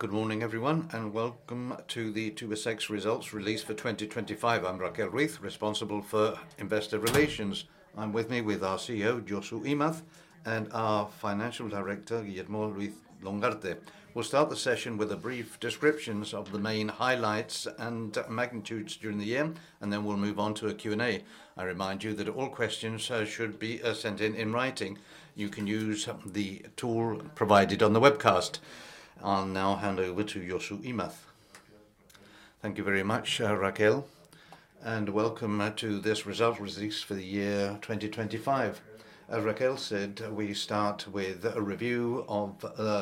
Good morning, everyone, welcome to the Tubacex Results Release for 2025. I'm Raquel Ruiz, responsible for investor relations. I'm with our CEO, Josu Imaz, and our Financial Director, Guillermo Ruiz-Longarte. We'll start the session with a brief descriptions of the main highlights and magnitudes during the year, then we'll move on to a Q&A. I remind you that all questions should be sent in writing. You can use the tool provided on the webcast. I'll now hand over to Josu Imaz. Thank you very much, Raquel, welcome to this Result Release for the Year 2025. As Raquel said, we start with a review of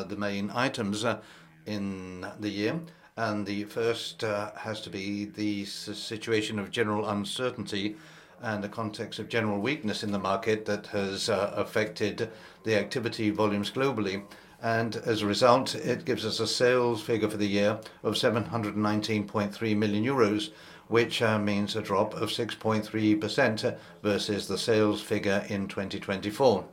the main items in the year, the first has to be the situation of general uncertainty and the context of general weakness in the market that has affected the activity volumes globally. As a result, it gives us a sales figure for the year of 719.3 million euros, which means a drop of 6.3% versus the sales figure in 2024.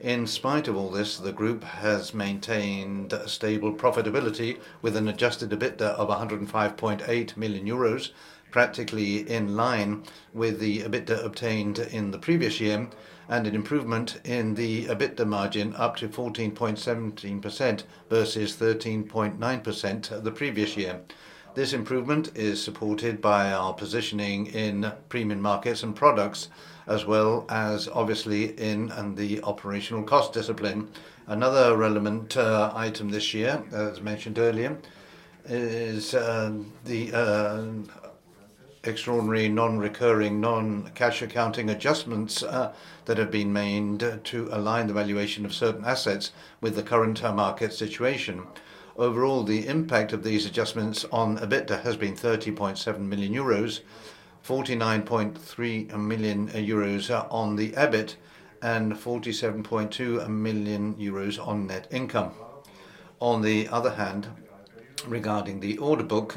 In spite of all this, the group has maintained a stable profitability with an adjusted EBITDA of 105.8 million euros, practically in line with the EBITDA obtained in the previous year, and an improvement in the EBITDA margin up to 14.17% versus 13.9% the previous year. This improvement is supported by our positioning in premium markets and products, as well as obviously the operational cost discipline. Another relevant item this year, as mentioned earlier, is the extraordinary non-recurring, non-cash accounting adjustments that have been made to align the valuation of certain assets with the current market situation. Overall, the impact of these adjustments on EBITDA has been 30.7 million euros, 49.3 million euros on the EBIT, and 47.2 million euros on net income. On the other hand, regarding the order book,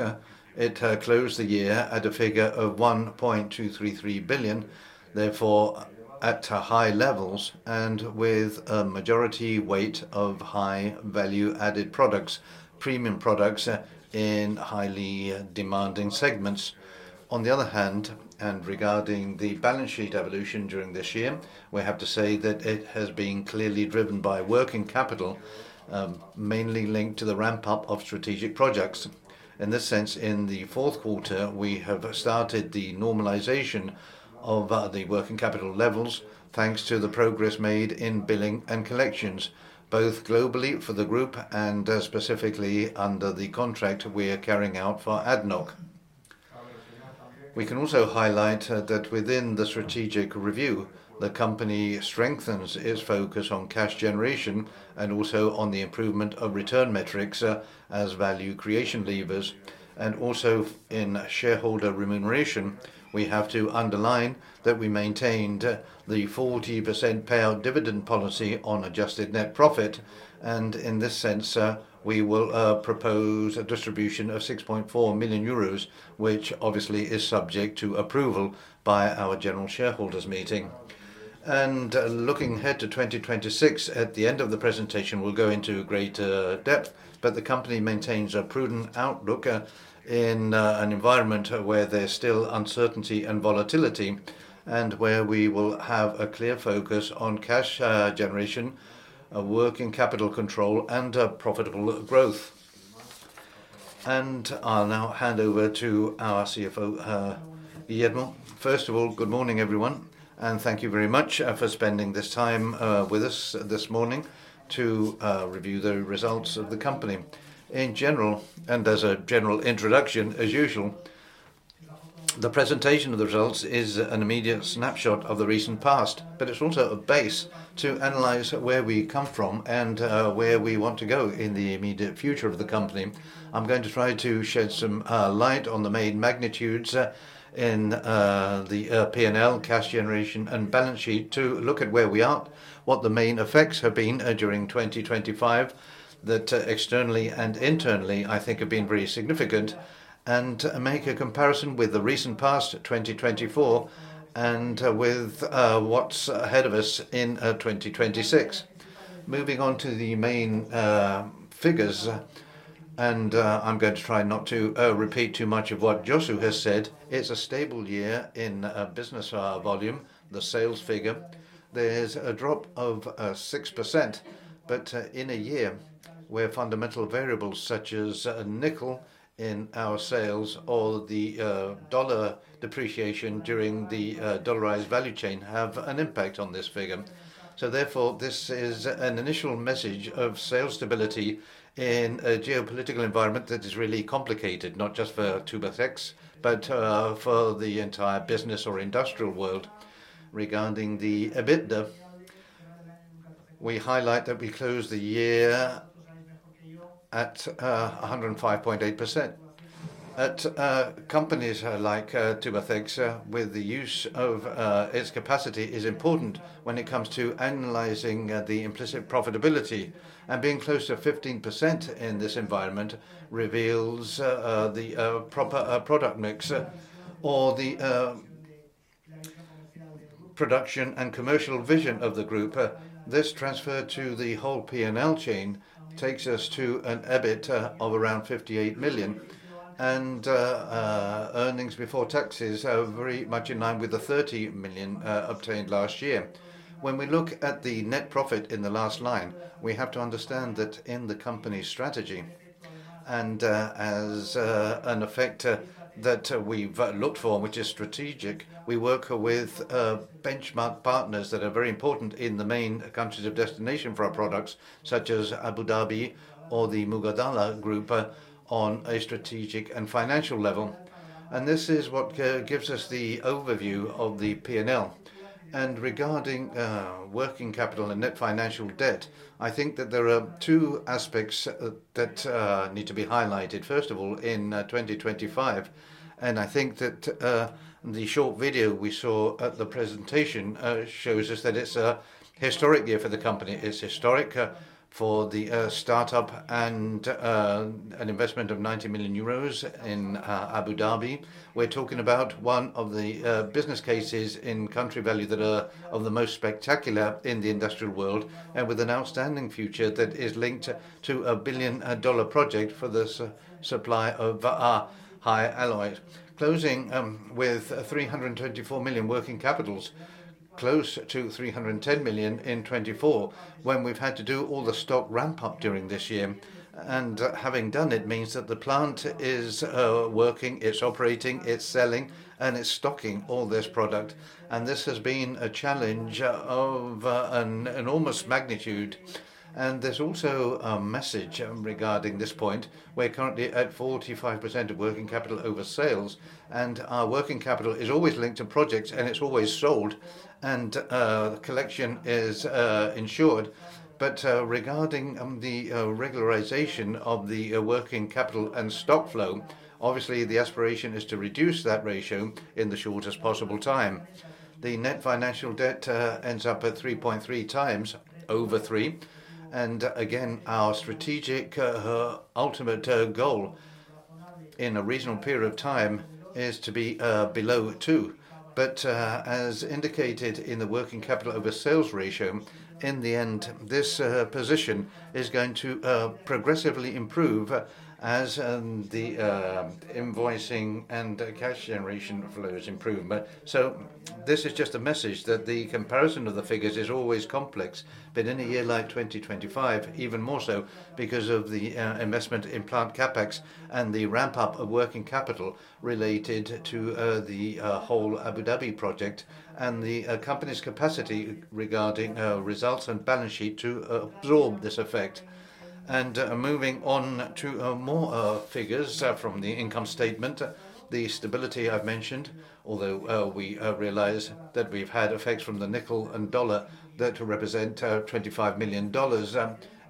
it closed the year at a figure of 1.233 billion, therefore, at high levels and with a majority weight of high value-added products, premium products in highly demanding segments. On the other hand, regarding the balance sheet evolution during this year, we have to say that it has been clearly driven by working capital, mainly linked to the ramp-up of strategic projects. In this sense, in the fourth quarter, we have started the normalization of the working capital levels, thanks to the progress made in billing and collections, both globally for the group and specifically under the contract we are carrying out for ADNOC. We can also highlight that within the strategic review, the company strengthens its focus on cash generation and also on the improvement of return metrics, as value creation levers. In shareholder remuneration, we have to underline that we maintained the 40% payout dividend policy on adjusted net profit, in this sense, we will propose a distribution of 6.4 million euros, which obviously is subject to approval by our general shareholders meeting. Looking ahead to 2026, at the end of the presentation, we'll go into greater depth, but the company maintains a prudent outlook in an environment where there's still uncertainty and volatility, where we will have a clear focus on cash generation, working capital control, and profitable growth. I'll now hand over to our CFO, Guillermo. First of all, good morning, everyone, and thank you very much for spending this time with us this morning to review the results of the company. In general, and as a general introduction, as usual, the presentation of the results is an immediate snapshot of the recent past, but it's also a base to analyze where we come from and where we want to go in the immediate future of the company. I'm going to try to shed some light on the main magnitudes in the P&L, cash generation, and balance sheet, to look at where we are, what the main effects have been during 2025, that externally and internally, I think have been very significant, and make a comparison with the recent past, 2024, and with what's ahead of us in 2026. Moving on to the main figures, and I'm going to try not to repeat too much of what Josu has said. It's a stable year in business volume, the sales figure. There's a drop of 6%, but in a year where fundamental variables such as nickel in our sales or the dollar depreciation during the dollarized value chain have an impact on this figure. Therefore, this is an initial message of sales stability in a geopolitical environment that is really complicated, not just for Tubacex, but for the entire business or industrial world. Regarding the EBITDA, we highlight that we closed the year at 105.8%. At companies like Tubacex, with the use of its capacity is important when it comes to analyzing the implicit profitability. Being close to 15% in this environment reveals the proper product mix or the production and commercial vision of the group. This transfer to the whole P&L chain takes us to an EBIT of around 58 million. Earnings before taxes are very much in line with the 30 million obtained last year. When we look at the net profit in the last line, we have to understand that in the company's strategy, and as an effect that we've looked for, which is strategic, we work with benchmark partners that are very important in the main countries of destination for our products, such as Abu Dhabi or the Mubadala Group, on a strategic and financial level. This is what gives us the overview of the P&L. Regarding working capital and net financial debt, I think that there are two aspects that need to be highlighted. First of all, in 2025, I think that the short video we saw at the presentation shows us that it's a historic year for the company. It's historic for the startup and an investment of 90 million euros in Abu Dhabi. We're talking about one of the business cases in country value that are of the most spectacular in the industrial world, with an outstanding future that is linked to a $1 billion project for the supply of high alloys. with 324 million working capitals, close to 310 million in 2024, when we've had to do all the stock ramp-up during this year. Having done it means that the plant is working, it's operating, it's selling, and it's stocking all this product, and this has been a challenge of an enormous magnitude. There's also a message regarding this point. We're currently at 45% of working capital over sales, and our working capital is always linked to projects, and it's always sold, and collection is insured. Regarding the regularization of the working capital and stock flow, obviously, the aspiration is to reduce that ratio in the shortest possible time. The net financial debt ends up at 3.3 times over three, and again, our strategic ultimate goal in a reasonable period of time is to be below two. As indicated in the working capital over sales ratio, in the end, this position is going to progressively improve as the invoicing and cash generation flows improve. This is just a message that the comparison of the figures is always complex, but in a year like 2025, even more so because of the investment in plant CapEx and the ramp-up of working capital related to the whole Abu Dhabi project, and the company's capacity regarding results and balance sheet to absorb this effect. Moving on to more figures from the income statement, the stability I've mentioned, although we realize that we've had effects from the nickel and dollar that represent $25 million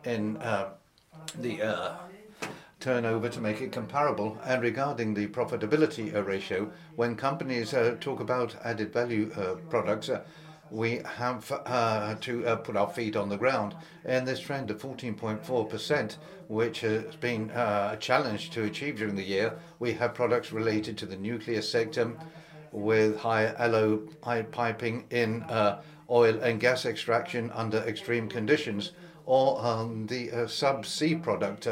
in the turnover to make it comparable. Regarding the profitability ratio, when companies talk about added value products, we have to put our feet on the ground. This trend of 14.4%, which has been a challenge to achieve during the year, we have products related to the nuclear sector with high alloy piping in oil and gas extraction under extreme conditions or the subsea product,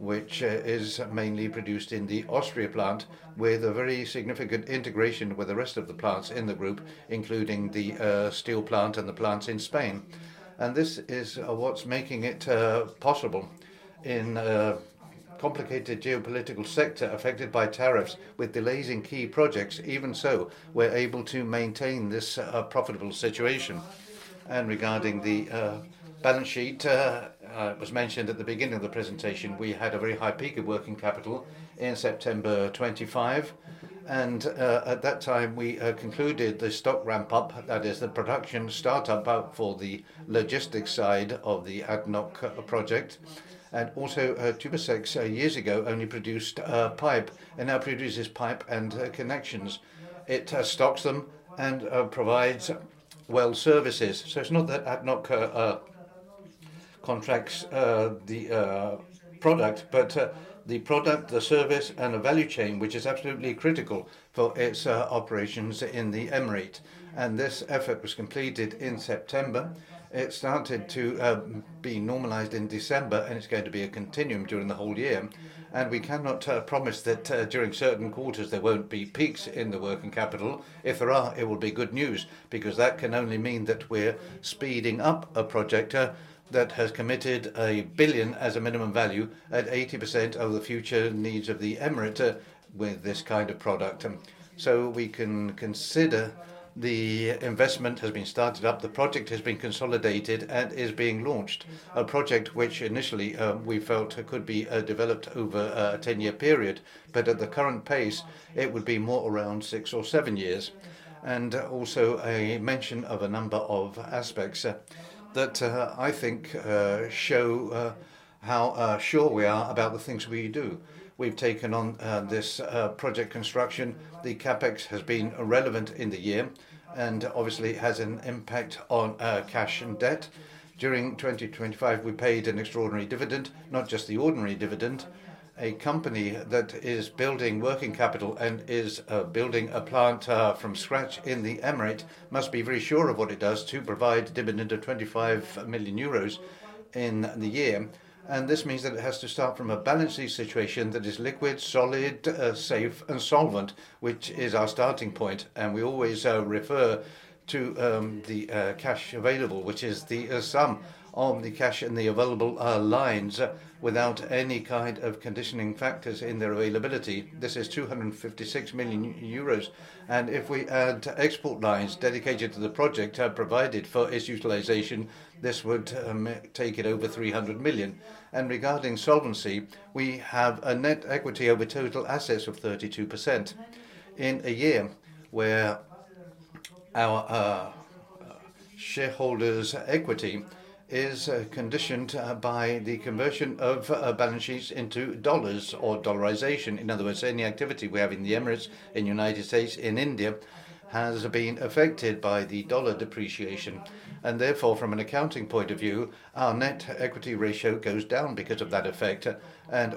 which is mainly produced in the Austria plant, with a very significant integration with the rest of the plants in the group, including the steel plant and the plants in Spain. This is what's making it possible in a complicated geopolitical sector, affected by tariffs, with delays in key projects. Even so, we're able to maintain this profitable situation. Regarding the balance sheet, it was mentioned at the beginning of the presentation, we had a very high peak of working capital in September 2025. At that time, we concluded the stock ramp-up, that is the production startup for the logistics side of the ADNOC project. Also, Tubacex, years ago, only produced pipe and now produces pipe and connections. It stocks them and provides well services. It's not that ADNOC contracts the product, but the product, the service, and the value chain, which is absolutely critical for its operations in the emirate. This effort was completed in September. It started to be normalized in December, and it's going to be a continuum during the whole year. We cannot promise that during certain quarters, there won't be peaks in the working capital. If there are, it will be good news because that can only mean that we're speeding up a project that has committed $1 billion as a minimum value at 80% of the future needs of the emirate with this kind of product. We can consider the investment has been started up, the project has been consolidated and is being launched. A project which initially we felt could be developed over a 10-year period, but at the current pace, it would be more around six or seven years. Also a mention of a number of aspects that I think show how sure we are about the things we do. We've taken on this project construction. The CapEx has been irrelevant in the year and obviously has an impact on cash and debt. During 2025, we paid an extraordinary dividend, not just the ordinary dividend. A company that is building working capital and is building a plant from scratch in the Emirate, must be very sure of what it does to provide dividend of 25 million euros in the year. This means that it has to start from a balancing situation that is liquid, solid, safe and solvent, which is our starting point. We always refer to the cash available, which is the sum of the cash and the available lines without any kind of conditioning factors in their availability. This is 256 million euros, if we add export lines dedicated to the project, have provided for its utilization, this would take it over 300 million. Regarding solvency, we have a net equity over total assets of 32%. In a year where our shareholders' equity is conditioned by the conversion of balance sheets into dollars or dollarization. In other words, any activity we have in the Emirates, in the U.S., in India, has been affected by the dollar depreciation, and therefore, from an accounting point of view, our net equity ratio goes down because of that effect.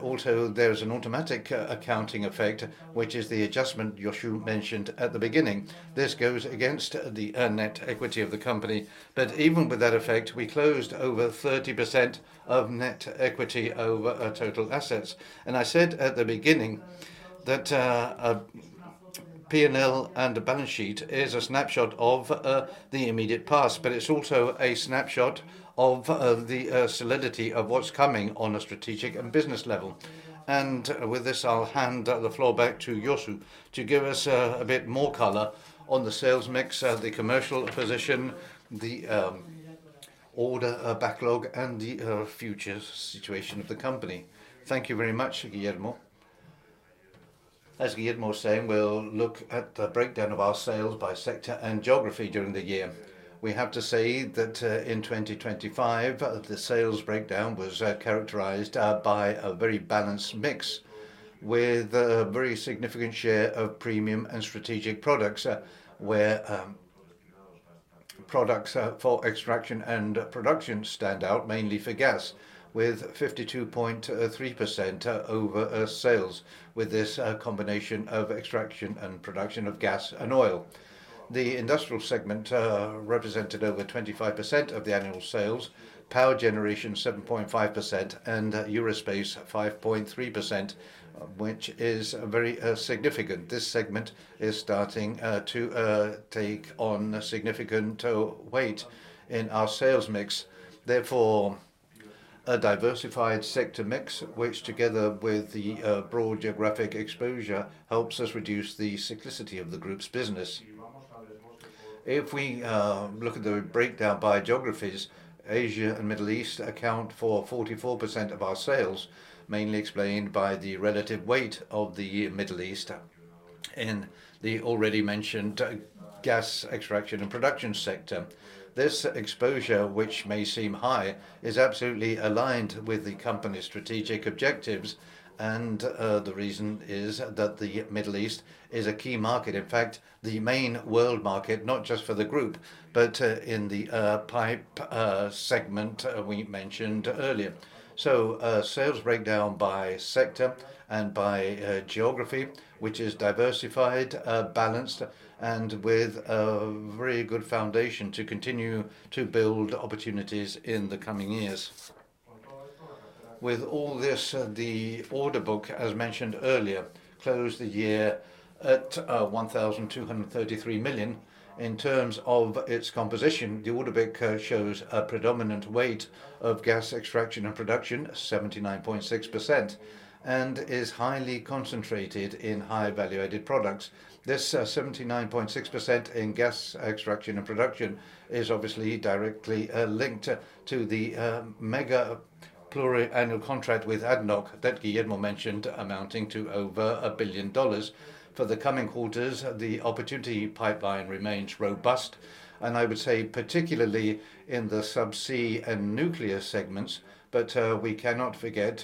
Also, there is an automatic accounting effect, which is the adjustment Josu mentioned at the beginning. This goes against the net equity of the company, but even with that effect, we closed over 30% of net equity over total assets. I said at the beginning that a P&L and a balance sheet is a snapshot of the immediate past, but it's also a snapshot of the solidity of what's coming on a strategic and business level. With this, I'll hand the floor back to Josu to give us a bit more color on the sales mix, the commercial position, the order backlog, and the future situation of the company. Thank you very much, Guillermo. As Guillermo was saying, we'll look at the breakdown of our sales by sector and geography during the year. We have to say that in 2025, the sales breakdown was characterized by a very balanced mix, with a very significant share of premium and strategic products, where products for extraction and production stand out mainly for gas, with 52.3% over sales, with this combination of extraction and production of gas and oil. The industrial segment represented over 25% of the annual sales, power generation 7.5%, and Aerospace 5.3%, which is very significant. This segment is starting to take on a significant weight in our sales mix. Therefore, a diversified sector mix, which together with the broad geographic exposure, helps us reduce the cyclicity of the group's business. If we look at the breakdown by geographies, Asia and Middle East account for 44% of our sales, mainly explained by the relative weight of the Middle East in the already mentioned gas extraction and production sector. This exposure, which may seem high, is absolutely aligned with the company's strategic objectives, and the reason is that the Middle East is a key market, in fact, the main world market, not just for the group, but in the pipe segment we mentioned earlier. Sales breakdown by sector and by geography, which is diversified, balanced, and with a very good foundation to continue to build opportunities in the coming years. With all this, the order book, as mentioned earlier, closed the year at 1,233 million. In terms of its composition, the order book shows a predominant weight of gas extraction and production, 79.6%, and is highly concentrated in high-value added products. This 79.6% in gas extraction and production is obviously directly linked to the mega pluriannual contract with ADNOC that Guillermo mentioned, amounting to over $1 billion. For the coming quarters, the opportunity pipeline remains robust, and I would say particularly in the subsea and nuclear segments, but we cannot forget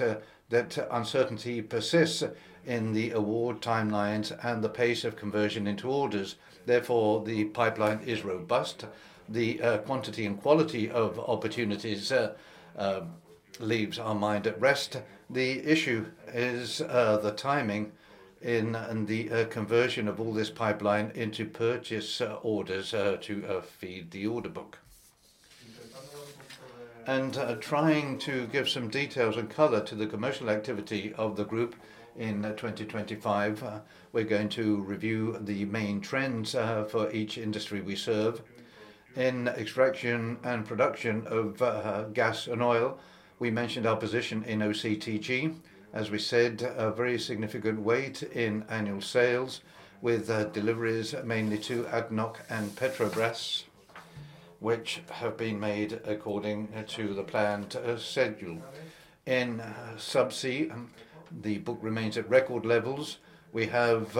that uncertainty persists in the award timelines and the pace of conversion into orders. Therefore, the pipeline is robust. The quantity and quality of opportunities leaves our mind at rest. The issue is the timing in, and the conversion of all this pipeline into purchase orders to feed the order book. Trying to give some details and color to the commercial activity of the group in 2025, we're going to review the main trends for each industry we serve. In extraction and production of gas and oil, we mentioned our position in OCTG. As we said, a very significant weight in annual sales, with deliveries mainly to ADNOC and Petrobras, which have been made according to the planned schedule. In Subsea, the book remains at record levels. We have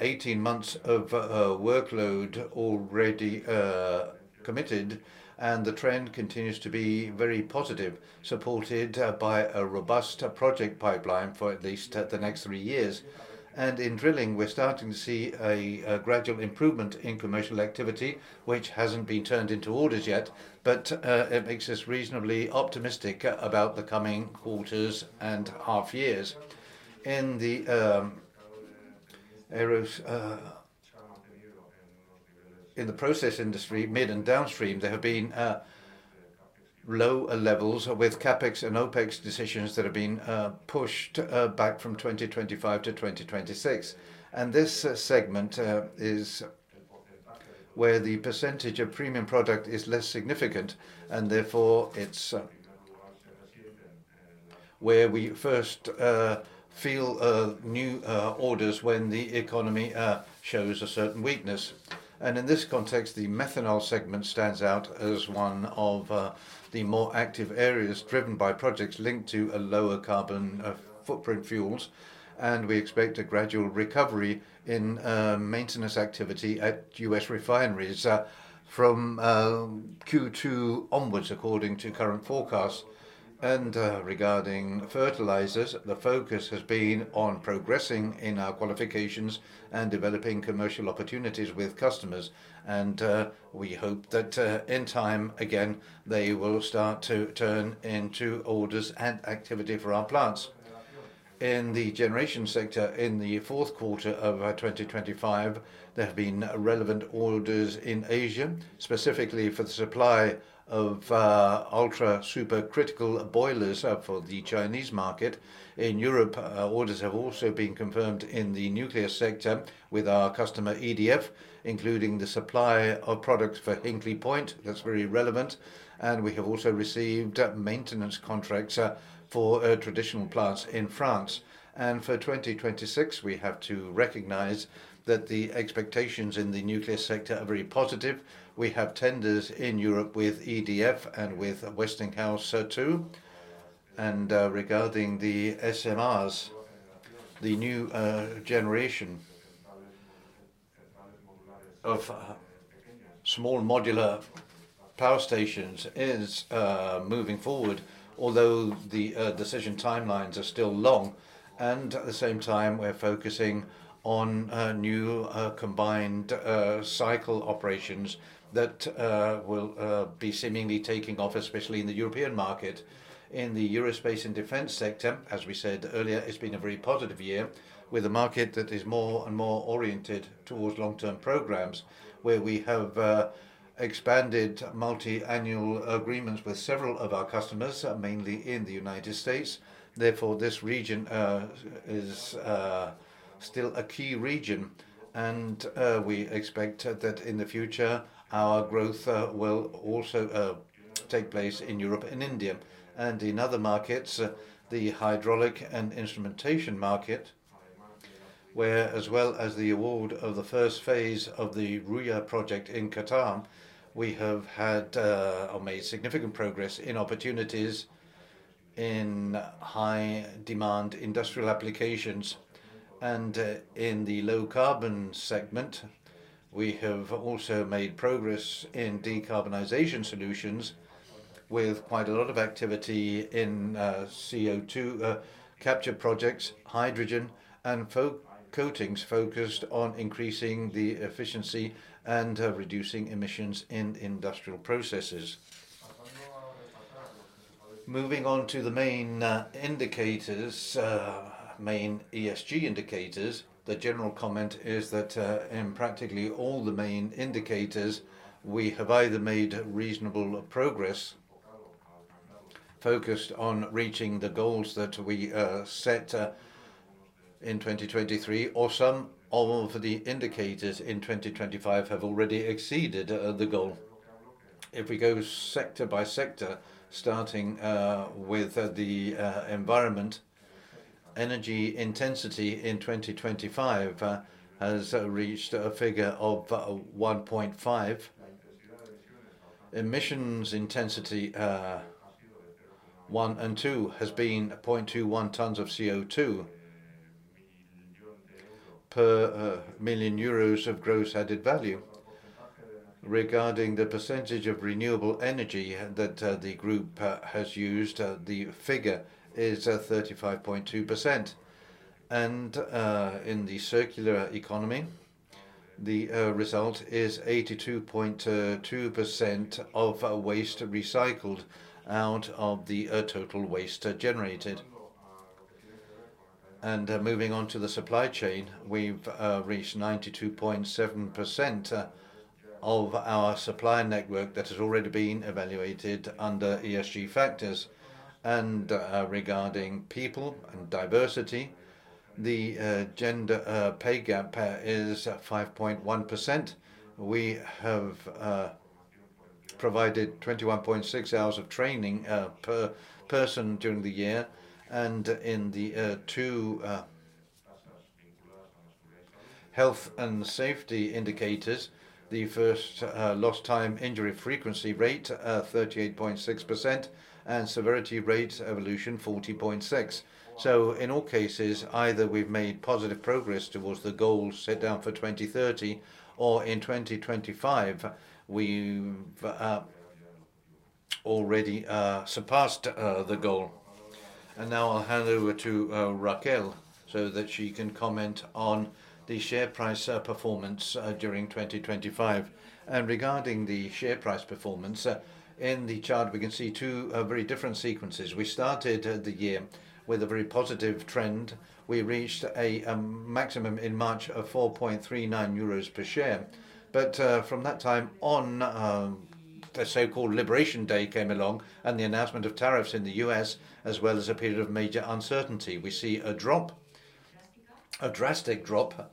18 months of workload already committed, and the trend continues to be very positive, supported by a robust project pipeline for at least the next three years. In drilling, we're starting to see a gradual improvement in commercial activity, which hasn't been turned into orders yet, but it makes us reasonably optimistic about the coming quarters and half years. In the process industry, mid and downstream, there have been lower levels with CapEx and OpEx decisions that have been pushed back from 2025 to 2026. This segment is where the percentage of premium product is less significant, and therefore it's where we first feel new orders when the economy shows a certain weakness. In this context, the methanol segment stands out as one of the more active areas driven by projects linked to a lower carbon footprint fuels, and we expect a gradual recovery in maintenance activity at U.S. refineries from Q2 onwards, according to current forecasts. Regarding fertilizers, the focus has been on progressing in our qualifications and developing commercial opportunities with customers. We hope that in time, again, they will start to turn into orders and activity for our plants. In the generation sector, in the 4th quarter of 2025, there have been relevant orders in Asia, specifically for the supply of ultra-supercritical boilers for the Chinese market. In Europe, orders have also been confirmed in the nuclear sector with our customer, EDF, including the supply of products for Hinkley Point. That's very relevant, and we have also received maintenance contracts for traditional plants in France. For 2026, we have to recognize that the expectations in the nuclear sector are very positive. We have tenders in Europe with EDF and with Westinghouse, too. Regarding the SMRs, the new generation of small modular power stations is moving forward, although the decision timelines are still long. At the same time, we're focusing on new combined cycle operations that will be seemingly taking off, especially in the European market. In the Aerospace and defense sector, as we said earlier, it's been a very positive year, with a market that is more and more oriented towards long-term programs, where we have expanded multi-annual agreements with several of our customers, mainly in the United States. This region is still a key region, we expect that in the future, our growth will also take place in Europe and India. In other markets, the hydraulic and instrumentation market, where, as well as the award of the first phase of the Ruya project in Qatar, we have had or made significant progress in opportunities in high-demand industrial applications. In the low-carbon segment, we have also made progress in decarbonization solutions, with quite a lot of activity in CO2 capture projects, hydrogen, and coatings focused on increasing the efficiency and reducing emissions in industrial processes. Moving on to the main indicators, main ESG indicators, the general comment is that in practically all the main indicators, we have either made reasonable progress focused on reaching the goals that we set in 2023, or some of the indicators in 2025 have already exceeded the goal. If we go sector by sector, starting with the environment, energy intensity in 2025 has reached a figure of 1.5. Emissions intensity, 1 and 2, has been 0.21 tonnes of CO2 per million euros of gross added value. Regarding the percentage of renewable energy that the group has used, the figure is 35.2%. In the circular economy, the result is 82.2% of waste recycled out of the total waste generated. Moving on to the supply chain, we've reached 92.7% of our supply network that has already been evaluated under ESG factors. Regarding people and diversity, the gender pay gap is at 5.1%. We have provided 21.6 hours of training per person during the year. In the two health and safety indicators, the first lost time injury frequency rate 38.6%, and severity rate evolution 40.6%. In all cases, either we've made positive progress towards the goals set out for 2030 or in 2025, we've already surpassed the goal. Now I'll hand over to Raquel, so that she can comment on the share price performance during 2025. Regarding the share price performance, in the chart, we can see two very different sequences. We started the year with a very positive trend. We reached a maximum in March of 4.39 euros per share. From that time on, the so-called Liberation Day came along, and the announcement of tariffs in the U.S., as well as a period of major uncertainty. We see a drop, a drastic drop,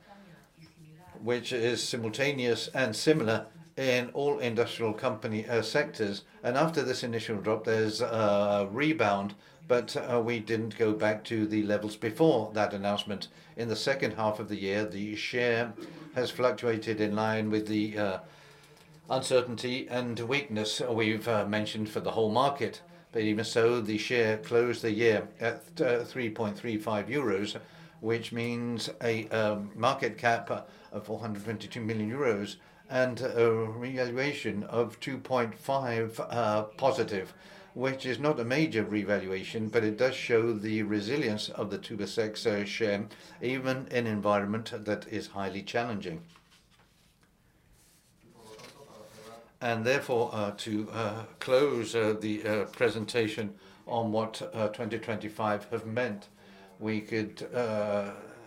which is simultaneous and similar in all industrial company sectors. After this initial drop, there's a rebound, but we didn't go back to the levels before that announcement. In the second half of the year, the share has fluctuated in line with the uncertainty and weakness we've mentioned for the whole market. Even so, the share closed the year at 3.35 euros, which means a market cap of 422 million euros and a revaluation of 2.5% positive. This is not a major revaluation, but it does show the resilience of the Tubacex share, even in environment that is highly challenging. Therefore, to close the presentation on what 2025 have meant, we could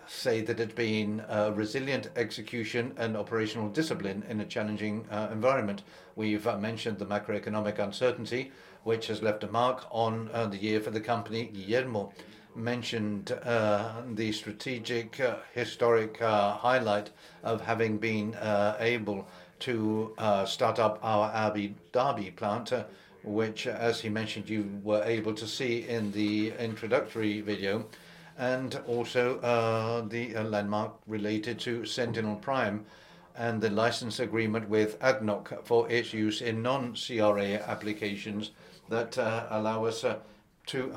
say that it's been a resilient execution and operational discipline in a challenging environment. We've mentioned the macroeconomic uncertainty, which has left a mark on the year for the company. Guillermo mentioned, the strategic, historic, highlight of having been able to start up our Abu Dhabi plant, which, as he mentioned, you were able to see in the introductory video, and also the landmark related to Sentinel Prime and the license agreement with ADNOC for its use in non-CRA applications that allow us to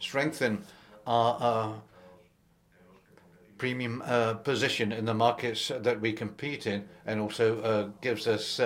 strengthen our premium position in the markets that we compete in, and also gives us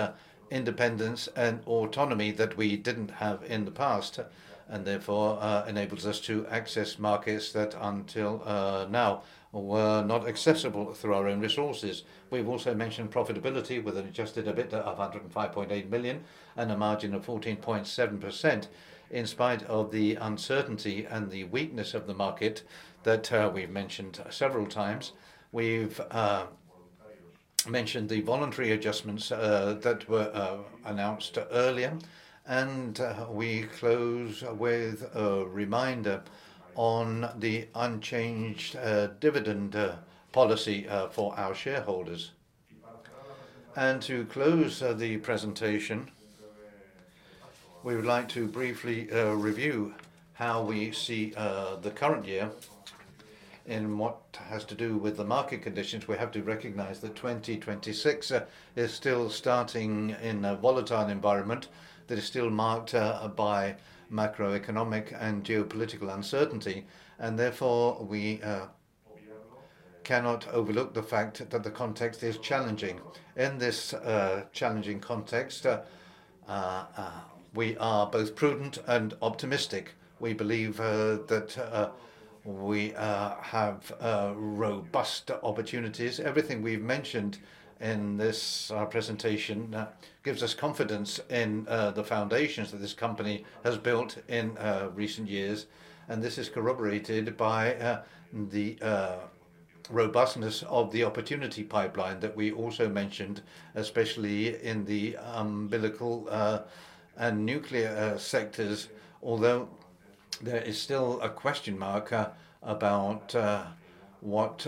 independence and autonomy that we didn't have in the past, and therefore enables us to access markets that until now were not accessible through our own resources. We've also mentioned profitability with an adjusted EBITDA of 105.8 million and a margin of 14.7%, in spite of the uncertainty and the weakness of the market that we've mentioned several times. We've mentioned the voluntary adjustments that were announced earlier. We close with a reminder on the unchanged dividend policy for our shareholders. To close the presentation, we would like to briefly review how we see the current year. In what has to do with the market conditions, we have to recognize that 2026 is still starting in a volatile environment that is still marked by macroeconomic and geopolitical uncertainty, and therefore, we cannot overlook the fact that the context is challenging. In this challenging context, we are both prudent and optimistic. We believe that we have robust opportunities. Everything we've mentioned in this presentation gives us confidence in the foundations that this company has built in recent years, and this is corroborated by the robustness of the opportunity pipeline that we also mentioned, especially in the umbilical and nuclear sectors. Although there is still a question mark about what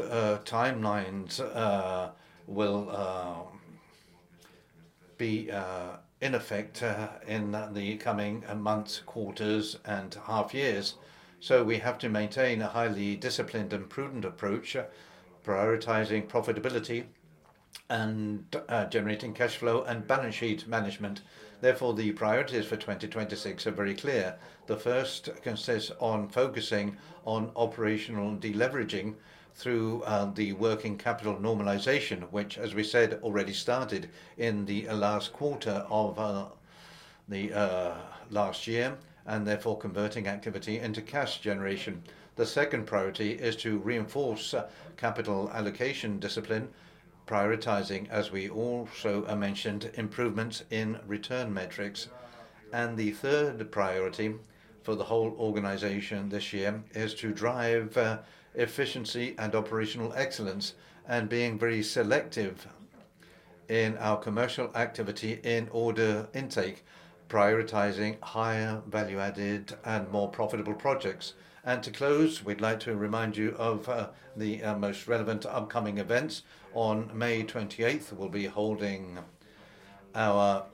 timelines will be in effect in the coming months, quarters, and half years. We have to maintain a highly disciplined and prudent approach, prioritizing profitability and generating cash flow and balance sheet management. Therefore, the priorities for 2026 are very clear. The first consists on focusing on operational deleveraging through the working capital normalization, which, as we said, already started in the last quarter of the last year, and therefore converting activity into cash generation. The second priority is to reinforce capital allocation discipline, prioritizing, as we also mentioned, improvements in return metrics. The third priority for the whole organization this year is to drive efficiency and operational excellence, and being very selective in our commercial activity in order intake, prioritizing higher value-added and more profitable projects. To close, we'd like to remind you of the most relevant upcoming events. On May 28th, we'll be holding our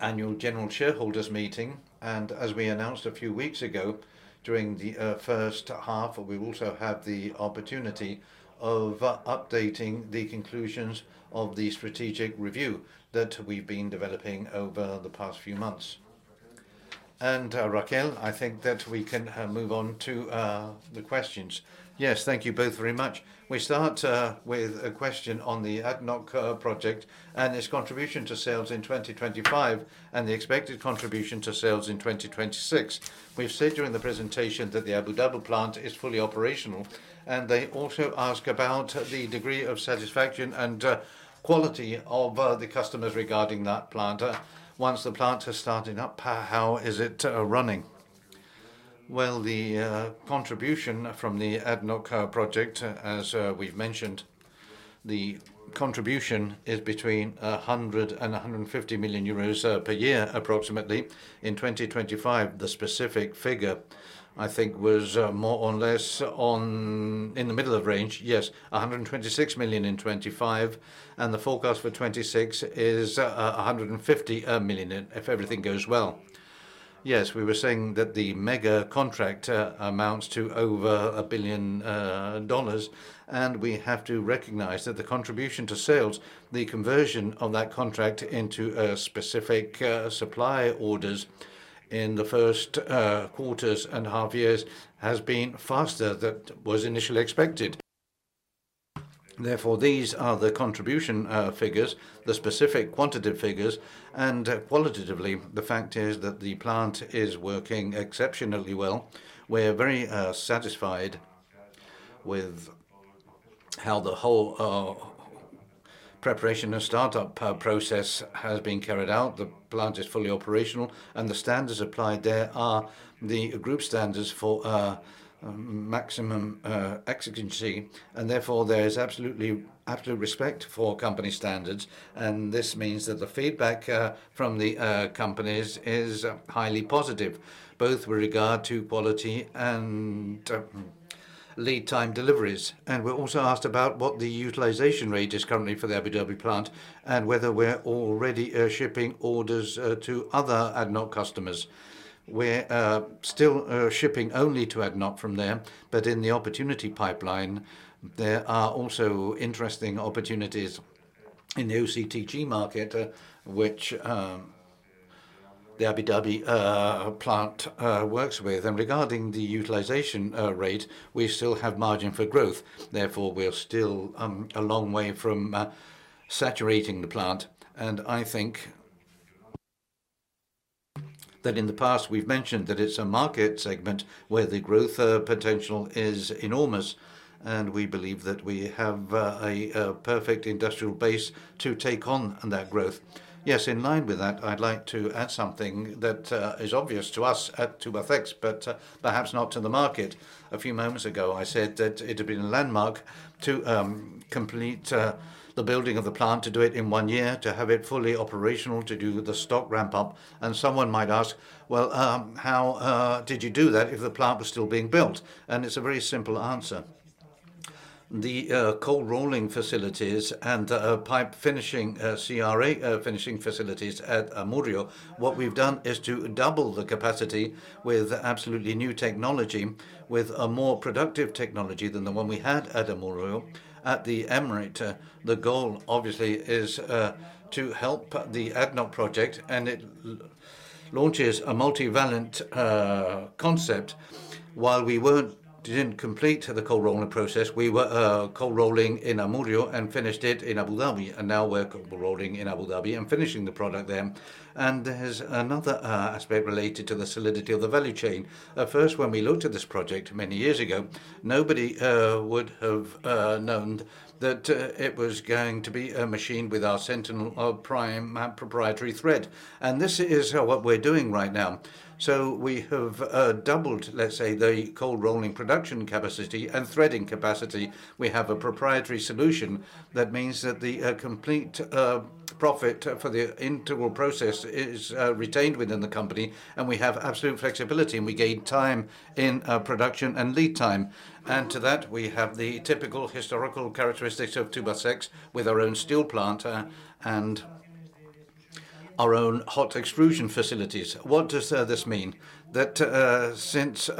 annual general shareholders meeting. As we announced a few weeks ago, during the first half, we will also have the opportunity of updating the conclusions of the strategic review that we've been developing over the past few months. Raquel, I think that we can move on to the questions. Thank you both very much. We start with a question on the ADNOC project and its contribution to sales in 2025, and the expected contribution to sales in 2026. We've said during the presentation that the Abu Dhabi plant is fully operational. They also ask about the degree of satisfaction and quality of the customers regarding that plant. Once the plant has started up, how is it running? The contribution from the ADNOC project, as we've mentioned, the contribution is between 100 million-150 million euros per year, approximately. In 2025, the specific figure, I think, was more or less in the middle of range. 126 million in 2025, the forecast for 2026 is 150 million if everything goes well. We were saying that the mega contract amounts to over $1 billion, we have to recognize that the contribution to sales, the conversion of that contract into specific supply orders in the first quarters and half years, has been faster than was initially expected. Therefore, these are the contribution figures, the specific quantitative figures, and qualitatively, the fact is that the plant is working exceptionally well. We're very satisfied with how the whole preparation and startup process has been carried out. The plant is fully operational, and the standards applied there are the group standards for maximum exigency, and therefore, there is absolutely absolute respect for company standards, and this means that the feedback from the companies is highly positive, both with regard to quality and lead time deliveries. We're also asked about what the utilization rate is currently for the Abu Dhabi plant, and whether we're already shipping orders to other ADNOC customers. We're still shipping only to ADNOC from there, but in the opportunity pipeline, there are also interesting opportunities in the OCTG market, which the Abu Dhabi plant works with. Regarding the utilization rate, we still have margin for growth. Therefore, we're still a long way from saturating the plant, and I think that in the past, we've mentioned that it's a market segment where the growth potential is enormous, and we believe that we have a perfect industrial base to take on that growth. In line with that, I'd like to add something that is obvious to us at Tubacex, but perhaps not to the market. A few moments ago, I said that it had been a landmark to complete the building of the plant, to do it in one year, to have it fully operational, to do the stock ramp up, and someone might ask: Well, how did you do that if the plant was still being built? It's a very simple answer. The cold rolling facilities and pipe finishing, CRA finishing facilities at Amurrio, what we've done is to double the capacity with absolutely new technology, with a more productive technology than the one we had at Amurrio. At Abu Dhabi, the goal, obviously, is to help the ADNOC project, and it launches a multivalent concept. While we didn't complete the cold rolling process, we were cold rolling in Amurrio and finished it in Abu Dhabi. Now we're cold rolling in Abu Dhabi and finishing the product there. There's another aspect related to the solidity of the value chain. At first, when we looked at this project many years ago, nobody would have known that it was going to be a machine with our Sentinel Prime proprietary thread. This is what we're doing right now. We have doubled, let's say, the cold rolling production capacity and threading capacity. We have a proprietary solution that means that the complete profit for the integral process is retained within the company, and we have absolute flexibility, and we gain time in production and lead time. To that, we have the typical historical characteristics of Tubacex with our own steel plant and our own hot extrusion facilities. What does this mean? That since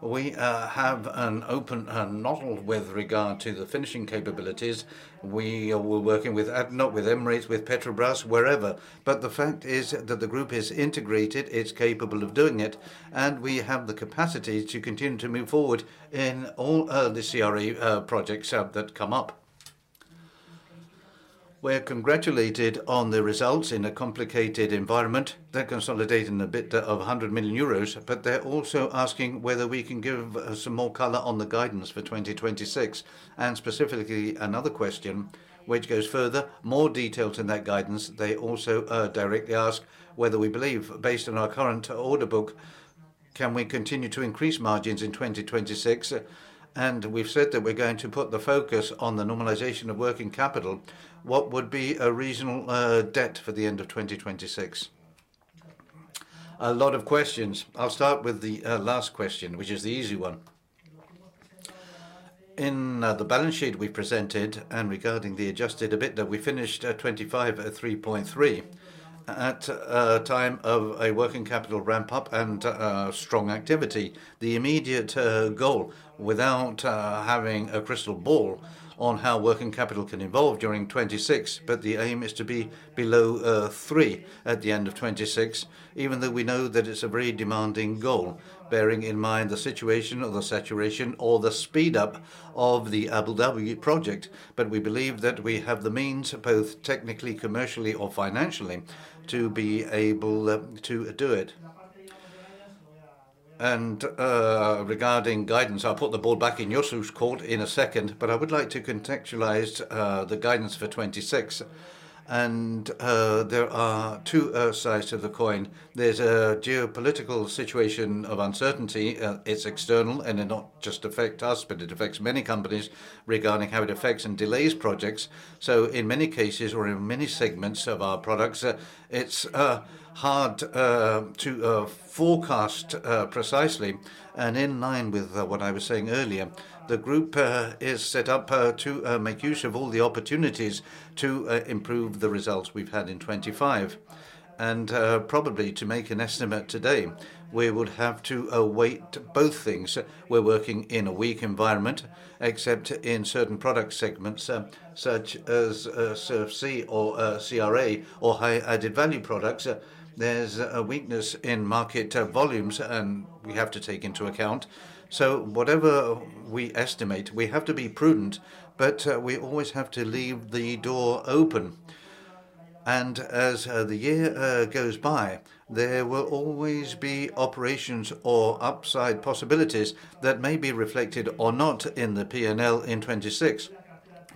we have an open model with regard to the finishing capabilities, we are working with not with Emirates, with Petrobras, wherever. The fact is that the group is integrated, it's capable of doing it, and we have the capacity to continue to move forward in all the CRA projects that come up. We're congratulated on the results in a complicated environment. They're consolidating a bit of 100 million euros, but they're also asking whether we can give some more color on the guidance for 2026, and specifically another question which goes further, more detailed in that guidance. They also directly ask whether we believe, based on our current order book, can we continue to increase margins in 2026? We've said that we're going to put the focus on the normalization of working capital. What would be a reasonable debt for the end of 2026? A lot of questions. I'll start with the last question, which is the easy one. In the balance sheet we presented and regarding the adjusted EBITDA, we finished at 25 at 3.3 at a time of a working capital ramp-up and strong activity. The immediate goal, without having a crystal ball on how working capital can evolve during 2026, but the aim is to be below three at the end of 2026, even though we know that it's a very demanding goal, bearing in mind the situation or the saturation or the speed up of the Abu Dhabi project. We believe that we have the means, both technically, commercially, or financially, to be able to do it. Regarding guidance, I'll put the ball back in Josu court in a second, but I would like to contextualize the guidance for 2026. There are two sides to the coin. There's a geopolitical situation of uncertainty, it's external, and it not just affect us, but it affects many companies regarding how it affects and delays projects. In many cases or in many segments of our products, it's hard to forecast precisely. In line with what I was saying earlier, the group is set up to make use of all the opportunities to improve the results we've had in 25. Probably to make an estimate today, we would have to await both things. We're working in a weak environment, except in certain product segments, such as SURF or CRA or high added-value products. There's a weakness in market volumes, and we have to take into account. Whatever we estimate, we have to be prudent, but we always have to leave the door open. As the year goes by, there will always be operations or upside possibilities that may be reflected or not in the P&L in 26,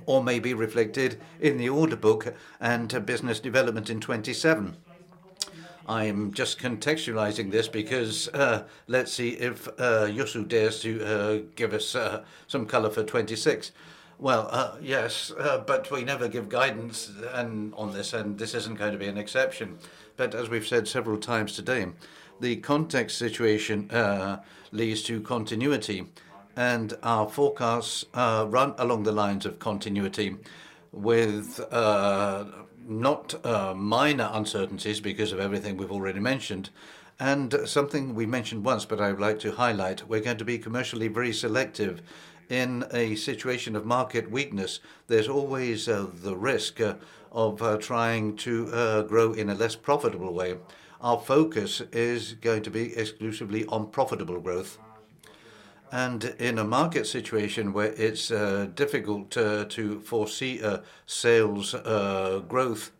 or may be reflected in the order book and business development in 27. I'm just contextualizing this because, let's see if Josu dares to give us some color for 26. Yes, we never give guidance and on this, and this isn't going to be an exception. As we've said several times today, the context situation leads to continuity, and our forecasts run along the lines of continuity with not minor uncertainties because of everything we've already mentioned. Something we mentioned once, but I would like to highlight, we're going to be commercially very selective. In a situation of market weakness, there's always the risk of trying to grow in a less profitable way. Our focus is going to be exclusively on profitable growth. In a market situation where it's difficult to foresee sales growth,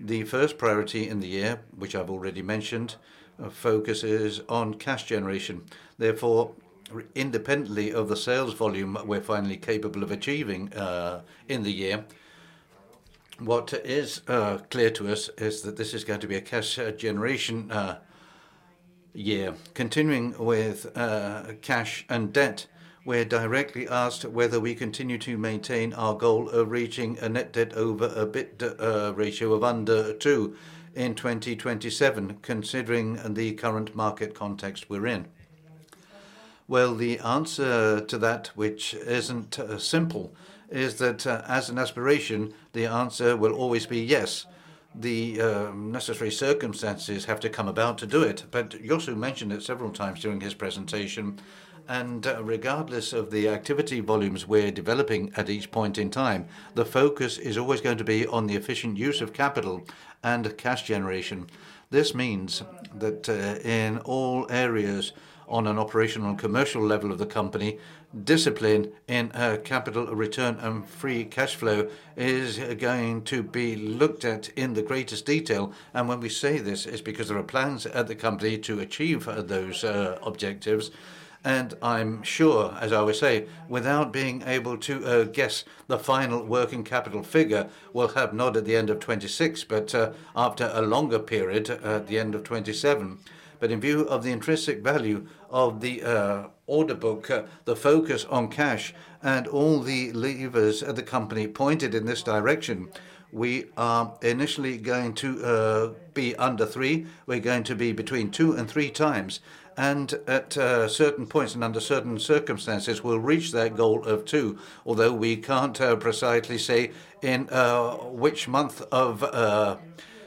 the first priority in the year, which I've already mentioned, focus is on cash generation. Therefore, independently of the sales volume we're finally capable of achieving in the year, what is clear to us is that this is going to be a cash generation year. Continuing with cash and debt, we're directly asked whether we continue to maintain our goal of reaching a net debt over EBIT ratio of under two in 2027, considering the current market context we're in. The answer to that, which isn't simple, is that as an aspiration, the answer will always be yes. The necessary circumstances have to come about to do it. Josu mentioned it several times during his presentation, and regardless of the activity volumes we're developing at each point in time, the focus is always going to be on the efficient use of capital and cash generation. This means that in all areas, on an operational and commercial level of the company, discipline in capital return and free cash flow is going to be looked at in the greatest detail. When we say this, it's because there are plans at the company to achieve those objectives. I'm sure, as I always say, without being able to guess, the final working capital figure will have not at the end of 26, but after a longer period, at the end of 27. In view of the intrinsic value of the order book, the focus on cash and all the levers of the company pointed in this direction, we are initially going to be under three. We're going to be between two and three times, and at certain points and under certain circumstances, we'll reach that goal of two, although we can't precisely say in which month of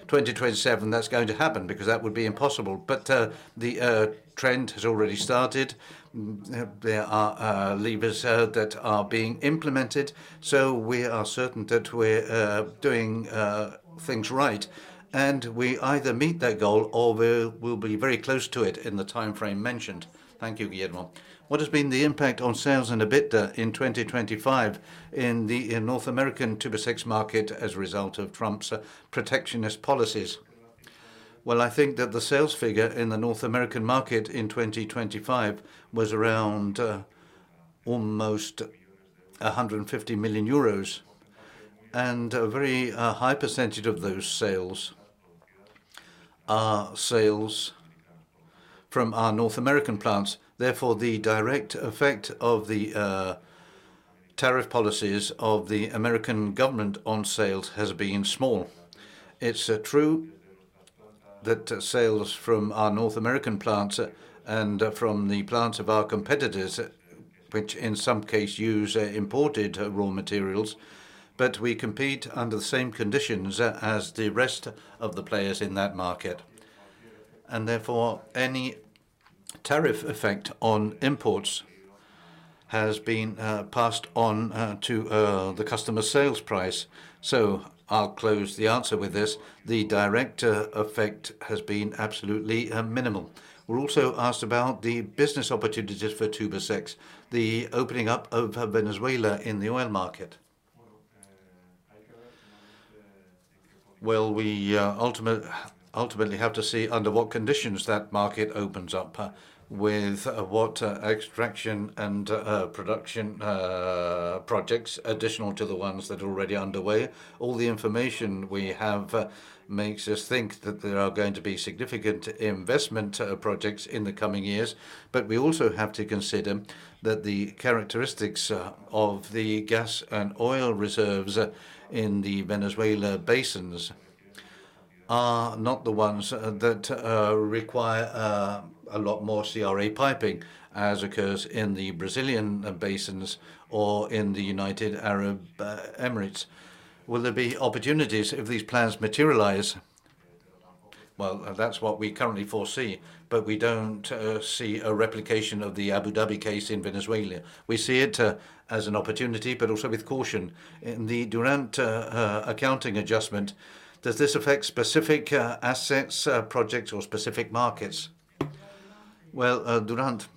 2027 that's going to happen, because that would be impossible. The trend has already started. There are levers that are being implemented, so we are certain that we're doing things right, and we either meet that goal or we'll be very close to it in the timeframe mentioned. Thank you, Guillermo. What has been the impact on sales and EBITDA in 2025 in the North American Tubacex market as a result of Trump's protectionist policies? I think that the sales figure in the North American market in 2025 was around almost 150 million euros, and a very high percent of those sales are sales from our North American plants. Therefore, the direct effect of the tariff policies of the American government on sales has been small. It's true. That our sales from our North American plants, and from the plants of our competitors, which in some case use imported raw materials, but we compete under the same conditions as the rest of the players in that market. Therefore, any tariff effect on imports has been passed on to the customer sales price. I'll close the answer with this, the direct effect has been absolutely minimal. We're also asked about the business opportunities for Tubacex, the opening up of Venezuela in the oil market. Well, we ultimately have to see under what conditions that market opens up, with what extraction and production projects, additional to the ones that are already underway. All the information we have makes us think that there are going to be significant investment projects in the coming years. We also have to consider that the characteristics of the gas and oil reserves in the Venezuela basins are not the ones that require a lot more CRA piping, as occurs in the Brazilian basins or in the United Arab Emirates. Will there be opportunities if these plans materialize? Well, that's what we currently foresee, but we don't see a replication of the Abu Dhabi case in Venezuela. We see it as an opportunity, but also with caution. In the Durant accounting adjustment, does this affect specific assets, projects, or specific markets? Well, Durant,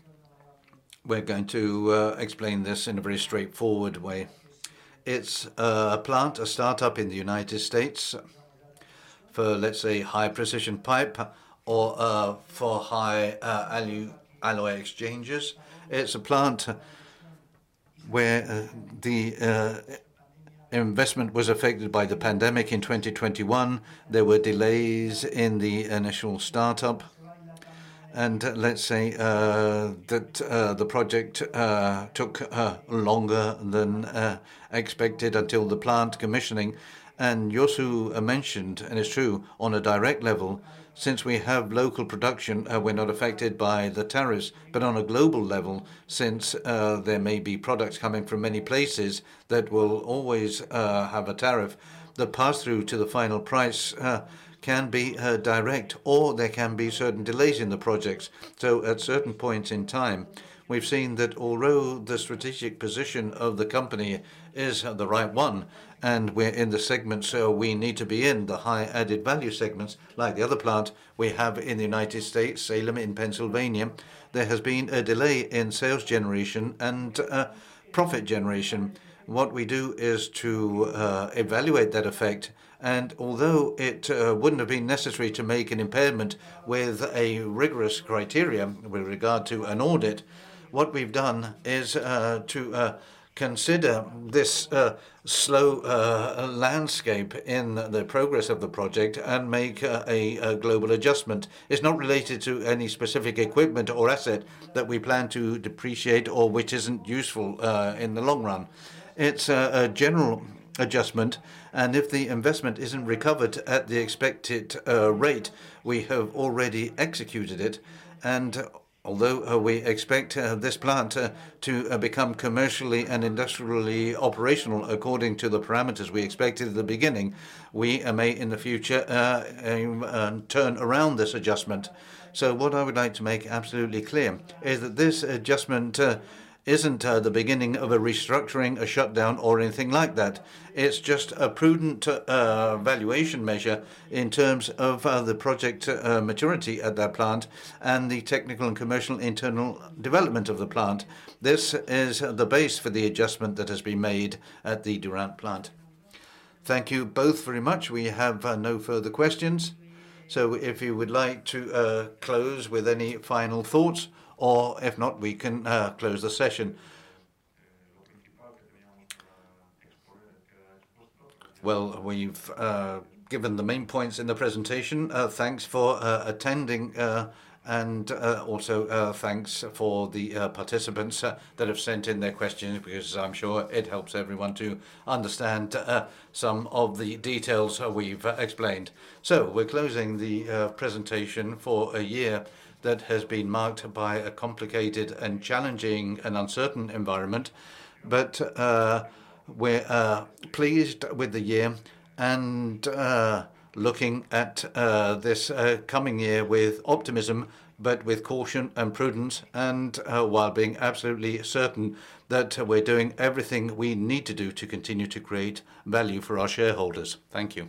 we're going to explain this in a very straightforward way. It's a plant, a startup in the United States for, let's say, high-precision pipe or for high alloy exchanges. It's a plant where the investment was affected by the pandemic in 2021. There were delays in the initial startup. Let's say that the project took longer than expected until the plant commissioning. Josu mentioned, and it's true, on a direct level, since we have local production, we're not affected by the tariffs. On a global level, since there may be products coming from many places that will always have a tariff, the pass-through to the final price can be direct, or there can be certain delays in the projects. At certain points in time, we've seen that although the strategic position of the company is the right one, and we're in the segment, so we need to be in the high added value segments, like the other plant we have in the United States, Salem, in Pennsylvania, there has been a delay in sales generation and profit generation. What we do is to evaluate that effect, and although it wouldn't have been necessary to make an impairment with a rigorous criterion with regard to an audit, what we've done is to consider this slow landscape in the progress of the project and make a global adjustment. It's not related to any specific equipment or asset that we plan to depreciate or which isn't useful in the long run. It's a general adjustment. If the investment isn't recovered at the expected rate, we have already executed it. Although we expect this plant to become commercially and industrially operational according to the parameters we expected at the beginning, we may, in the future, turn around this adjustment. What I would like to make absolutely clear is that this adjustment isn't the beginning of a restructuring, a shutdown, or anything like that. It's just a prudent valuation measure in terms of the project maturity at that plant and the technical and commercial internal development of the plant. This is the base for the adjustment that has been made at the Durant plant. Thank you both very much. We have no further questions. If you would like to close with any final thoughts, or if not, we can close the session. Well, we've given the main points in the presentation. Thanks for attending and also thanks for the participants that have sent in their questions, because I'm sure it helps everyone to understand some of the details we've explained. We're closing the presentation for a year that has been marked by a complicated and challenging and uncertain environment. We're pleased with the year and looking at this coming year with optimism, but with caution and prudence, and while being absolutely certain that we're doing everything we need to do to continue to create value for our shareholders. Thank you.